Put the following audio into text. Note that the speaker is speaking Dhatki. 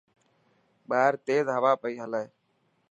ٻاهر تيز هوا پئي هلي.